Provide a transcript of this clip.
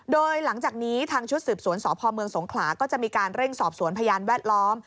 โดยหลังจากนี้ทางชุดสืบสวนสพเมืองสงขลาก็จะมีการเร่งสอบสวนพยานแวดล้อม